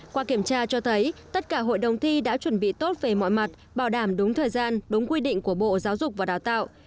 qua kiểm tra cho thấy tất cả hội đồng thi đã chuẩn bị tốt về mọi mặt bảo đảm đúng thời gian đúng quy định của bộ giáo dục và đào tạo